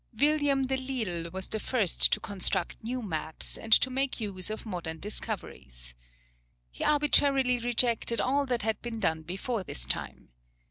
William Delisle was the first to construct new maps, and to make use of modern discoveries. He arbitrarily rejected all that had been done before his time.